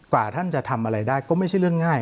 กว่าท่านจะทำอะไรได้ก็ไม่ใช่เรื่องง่าย